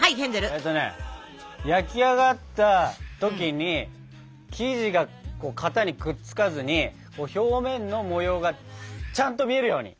えとね焼き上がった時に生地が型にくっつかずに表面の模様がちゃんと見えるように！